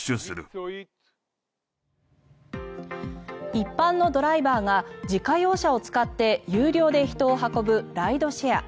一般のドライバーが自家用車を使って有料で人を運ぶライドシェア。